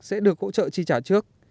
sẽ được hỗ trợ chi trả trước